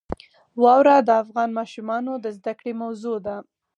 واوره د افغان ماشومانو د زده کړې موضوع ده.